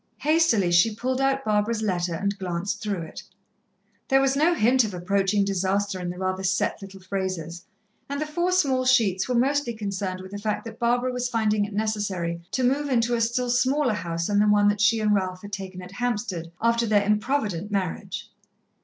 Hastily she pulled out Barbara's letter and glanced through it. There was no hint of approaching disaster in the rather set little phrases, and the four small sheets were mostly concerned with the fact that Barbara was finding it necessary to move into a still smaller house than the one that she and Ralph had taken at Hampstead after their improvident marriage.